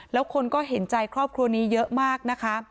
แล้วคนก็เห็นใจครอบครัวนี้เยอะมากนะคะ